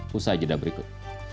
pusat jeda berikut